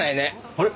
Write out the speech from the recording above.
あれ？